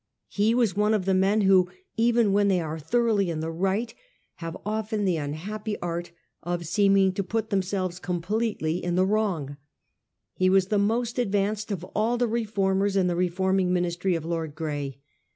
He was one of the men who, even when they are thoroughly in the right, have often the unhappy art of seeming to put them selves completely in the wrong. He was the most advanced of all the reformers in the reforming Ministry of Lord Grey.